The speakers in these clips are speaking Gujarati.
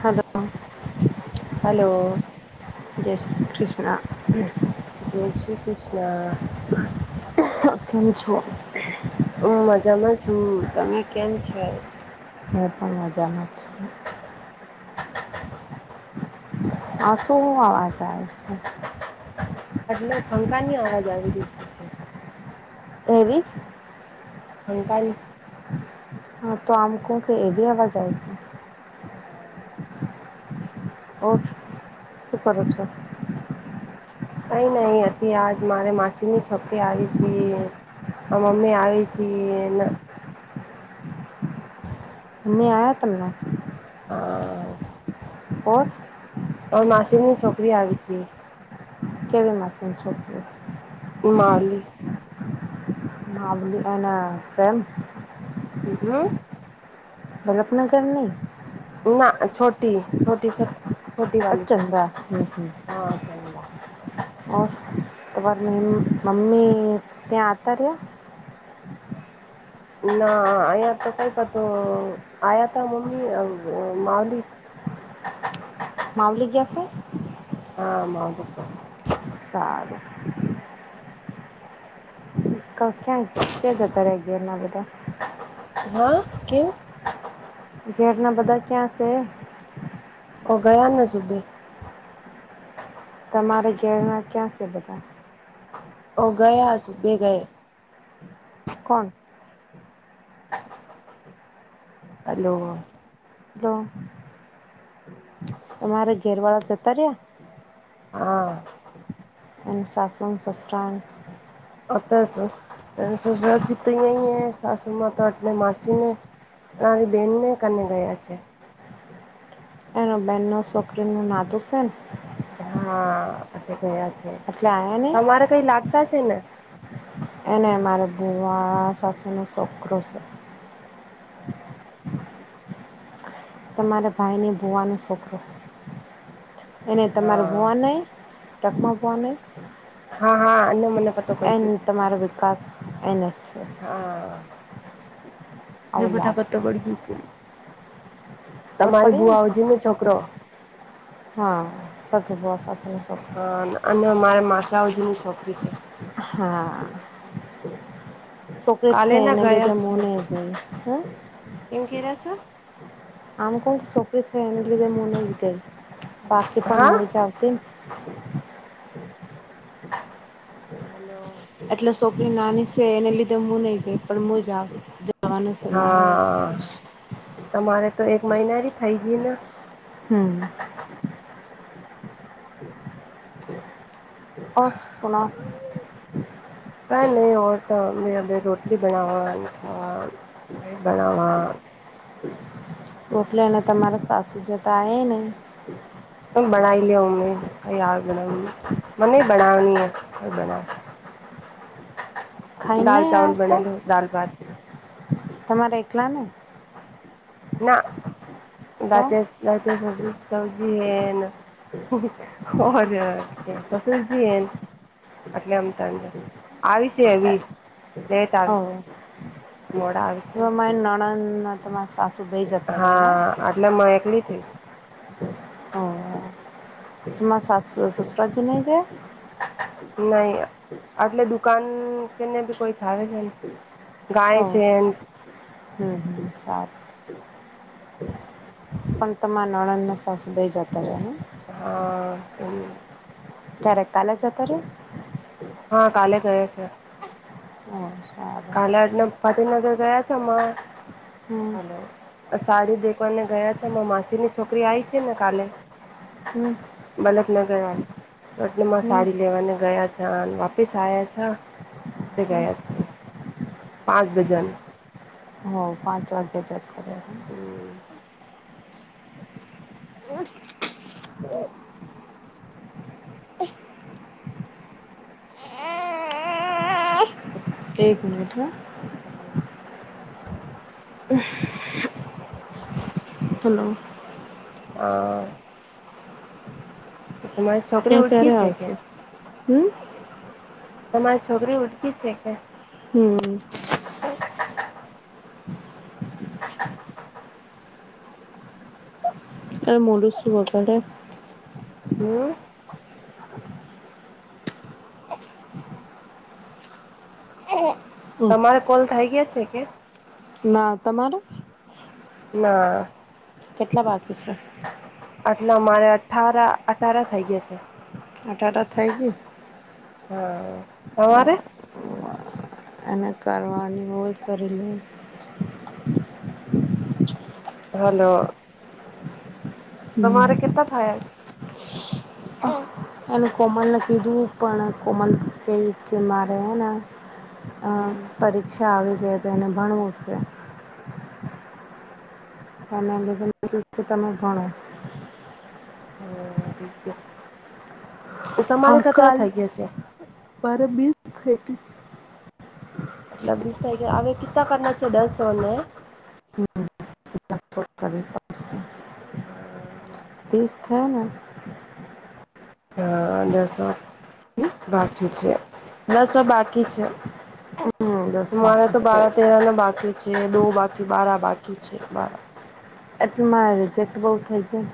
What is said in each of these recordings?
હલો હલો જય શ્રી કૃષ્ણ જય શ્રી કૃષ્ણ. કેમ છો? હ મજામાં છું તમે કેમ છો દ કેમ છે આથી હું પણ મજામાં છું આ શું અવાજ આવે છે? એટલે ફંકાની અવાજ આવી રી છે. હેવી અંક હા તો આમકહ કઈ એવી અવાજ આવી છે. ઓર સુપર અછા કઈ નહ હતી આજ મારે માસીની છોકરી આવી છે આ મમ્મી આવી છીને. નને આયા તમને હા ઓર અ માસીની છોકરી આવી છે કેવી માસી ની છોકરી હિમાલી હ બલ એના પ્રેમ હ હમ વલ્લભનગર નઈ ના છોટી છોટી સ અ [unintelligible] તો ચંદા મમ્મી ત્યાં આવતા રહ્યા ના અહીંયા તો કઈ પતો આયાતા મમ્મી અ માવલી માવલી ગયાશે? હા માંધ પાશે. સારું ક્યાં ક્યાં જતા ર ગયા એ ના બધા હા કેમ ઘેરના બધા ક્યાં છે ઓ ગયા ન સુબે તમારે ઘેરણા ક્યાં છે બધા? ઓ ગયા સુભે ગયા કોણ? હલો તમારે ઘેર વાળા જતા રહ્યા હા અને સાસુ ન સસરા અત સ સુસરાત જીતી સાસુ માતા અટલે માાસીને અ મારી બેનને કને ગયા છે એનો બેનનો સોકરી નું નાતું છે હા ગયા છે એટલે આયા નહીં તમારે કઈ લાગતા છે ને એને મારે ભુવા સાસુનું છોકરૂ સે હા તમારા ભાઈને ભોવાનું સોકરુ એને તમાર ભુવાને ટકમાપવા ન હા હા અને મને પતો પડી એન ગયો છે તમારો વિકાસ એને છે હા જે આવું બી નક તો લાગશે બડ ગઈ સે. ખબર તમારી પડી બુવા આવજે ને છોકરો હા સખી બસ આસાનું સુખ માશા આવજી ની છોકરી છે. હા સોકરી જ કાલે થઈ ના એને ગયા લીધે છે મોને ગઈ હહ કેમ કે રહ્યા છો આમ ક છોકરી જ થઈ એને જ લીધે મોને જ ગઈ બાકી પણ હા મજા આવતી ન હલો એટલે સોકરી નાની છે એને લીધે હું નહી ગઈ પણ મું જાઉં જવાનું સે મારે હજ હા તમારે તો એક મહિનાની થઈગી ના હમ ઓફ સુનાઓ કંઈ નહિ ઓર તો મે મે રોટલી બનાવાની ખાવાની મેય બનાવા ઓટલે ને તમારે સાસુ જતા અહે ને બનાઈ લેઉ મેં કઈ આગ મને બનાવની ને કોઈ બના ખાઈને દાલ નહી ચાવલ આવતા બનેલો દાલ ભાત તમારે એખલા ને ના, તો દાતેસ દાતેસ સવજી હે ને ઑર શશુર જી હે ને એટલે અમ ત ત આવીશ્યે લીસ લેટ આવીશ ન મારી નણદ નેતા મારી સા હા, આટલેમાં એકલી થી. હમ્મ, તમા સાસું સસરાજી ની ગે નહી, આટલે દુકાન કેને બી કોઈ ચ જાવે છે ને. ગાય છે ન સાર પણ તમાર નણંદને સાસુ બેઈ જતા છે નહીં? હા, કેમ ક્યારે કાલે જતા રયા? હહ કાલે ગયા છે. રહ્યા ઓ સારું કાલે અડનમ પાતિનગર ગયા છે માં હમ હલો અ સાડી દેખવાને ગયા છે મ માસીની છોકરી આઈ છે ને કાલે હમ બલકનગર વાલી એટલે માં હમ સાડી લેવાને ગયા છે અન વાપીસ આયા છ. તે ગયા છે. પાંચ ગજન હો પાંચ વાગે જતા રે એક મિનિટ હ [inaudible] લો આ તમારી છોકરી ઉડકી છે કે હમ્મ તમાર છોકરી ઉટકી છે કે હમ્મ એ મોડુ સુવકરે હમ્મ હમ તમારે કોલ થઈ ગ્યા છે કે ના, તમારે ના કેટલા બાકી છ? આટલે અમારે અઠારા અટારા થઇ ગયે છે આટાટા થયગી હ, તમારે કારવાની હોય કરી લે હલો તમારે લે કેટલા થયા એને કોમલને કીધું પણ કોમલ કઈ કે મારે હને અ હમ પરીક્ષા આવી ગઈ તો મને ભણવું શે અનેમે [unintelligible] તમે ભણો હમ ઠીક છે તો તમારે કતરા હકાલ થઈ ગયા છે પરબીસ થ એટલ વીસ તારીખે હવે કેટલા કરના છે દસો ને [inaudible] હમ. દિવસ થાયને હા દસો બાકી છે, બસો બાકી છે. હમ દસ બાકી છે. તે અને બાકી છે, દો બાકી બારા બાકી છે, બા એટલે મારે રિજેક્ટ બોવ થઈ ગાય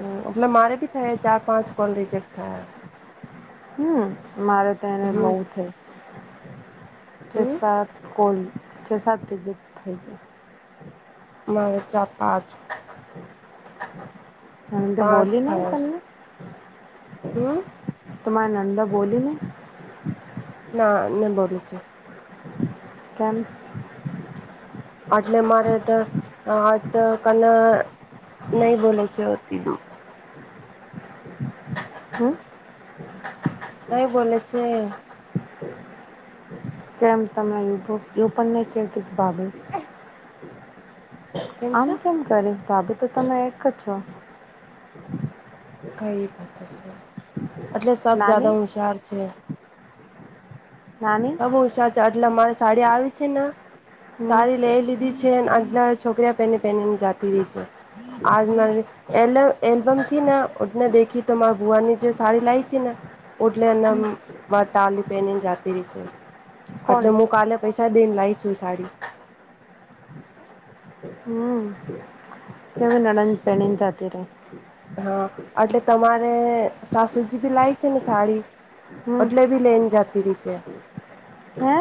હ એટલે મારે ભી થયા ચાર પાંચ કોલ રિજેક્ટ થયા હમ મારે તેને હમ બહુ થ હમ ચસાાર કોલી છ સાત ડિજેટ થઈ ગય મારે ચા પાજું નંદે પાસ બોલી નહીં ફાયસ તમને હમ તમારે નંદા ને બોલીને ના નિ બોદ છેે કેમ આટલે મારે તો આ તો કન નહી બોલે છે હોતી દું હમ નઈ બોલે છે કેમ તમને યુટ્યુબ યુ પણ નહીં કેતી ભાવે આમ કેમ કરીશ ભાભી તો તમે એક જ છો કઈ વાતો છે એટલે સબ નાની જદા હુશાર છે નાની સમ સાચ આટલે અમારી સાડી આવી છે ને હમ સાડી લઈ લીધી છે છે આજલા છોકરા પહે પહેનેને જાતી રહી છે આજુ બાજુ એ એલ્બમથી ને ને દેખી તો મા ભુવાની જે સાડી લાયી છે ને ઓટલે એને હમ બટાલી પેને જતી રહી છે કોણ એટલે હું કાલે પૈસા છા દેન લાઈ છું સાડી કે નડન પેણી ન જતી રે હા એટલે તમારે સાસુજી બી લાવ છે. ને સાડી હમ એટલે બી લઈને જાત ત્રીસેે. હે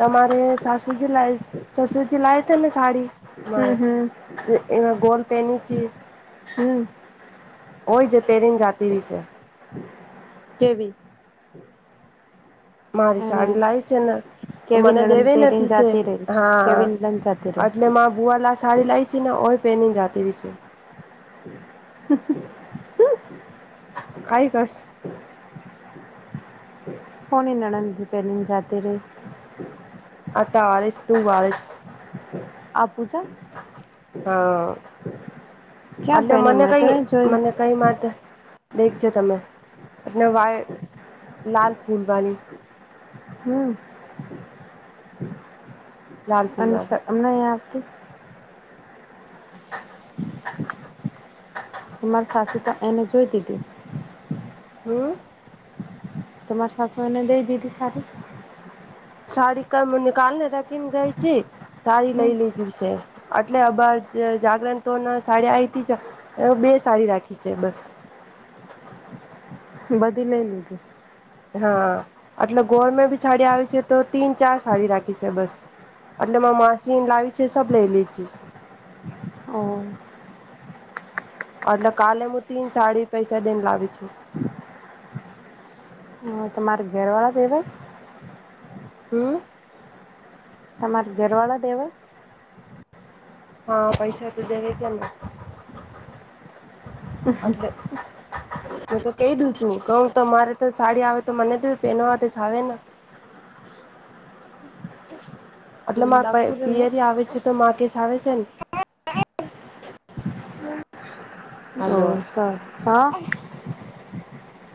તમારે સાસુજી લાવ સસુરજી લાયા તા ને સાડી? મા હમ હમ એમાં ગોલ પહેની છ હમ હોય જે પેરીન જાતિ ર છે કેવી મારી એને સાડી લાય છે ને કેવી મને નણંદ દેવી પહેરીને નથી છે જાતી રહી હા કેવી નણંદ જાતી રહી એટલે મા ભુવાલા સાડી લાવ પછીના ઓ પેનિંગ જાતિ રશે કઈ કસ હણી લડનથી પહેનિંગ જતી રે અતારસ ત વાિસ આ પૂજા હા ક્યાં એટલે પહેરી મને મેં તો કઈ નહીં જોઈ મને કઈ વાત દેખજ તમેં એને વા લાલ પૂલવાી હમ અને શરમ નહી આવતી મારી સાસુ તો એને જોઈ દીધી હમ તમાર સાસુને દઈ દીધી સારી સાડી કઈ મને કાલને રખીન ગઈ છે સાડી લઈ હમ લીધી છે એટલે અબાર જાગરણ તો સાડી આથી જ બે સાડી રાખી છે બસ બધી લઈ લીધી હા એટલે ગોળમાં ભી સાડી આવી છે તો તીન ચાર સાડી રાખી છે બસ એટલે મે માસીન લાવી છે સબ લઈ લીજું હ એટલે કાલે હું તીન સાડી પૈસા દઈને લાવી છું હ તમારે ઘરવાળા દેવાય હમ તમાર ઘેરવાળા દેવાર હા પૈસા તો દેવે તના એટલે હું તો કહી દઉ છું કઉ તો મારે તો સાડી આવે તો મને તો પહેનોથી જ આવે ને [unintelligible] એટલે મારા ડાકુ રહે પિયરી આવે છે તો મા કેશ આવે છે ને ઓ હાલો સાર હા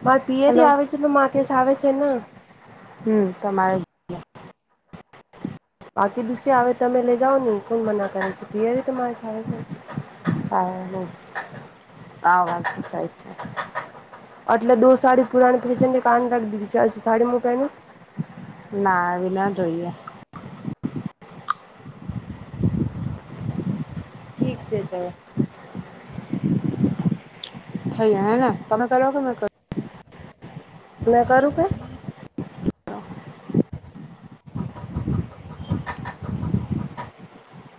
મારા પીયથી હેલો આવે છે તો મા કેસ આવે છે ને હમ તમારે બાકી દુસરી આવે તમે લે જાવને કોણ મના કરે છે પિયરી તો તમારીસ છે ને સારું આ વાંત સહ છે એટલે દો સાડી પુરાણી ફેશન કાન રાખી દીધી છે [unintelligible] હછી સાડી હું પહેન છ ના આવી ના જોઈએ ઠીક છે ત થઈ હે ને તમે કરો કે મેં કરો મે કર રૂપ